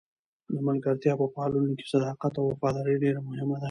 د ملګرتیا په پاللو کې صداقت او وفاداري ډېره مهمه ده.